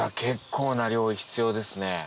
結構な量必要ですね。